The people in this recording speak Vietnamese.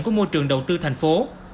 của môi trường đầu tư thành phố